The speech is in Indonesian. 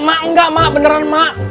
mak enggak mak beneran mak